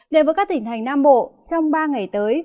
đến với các tỉnh thành nam bộ trong ba ngày tới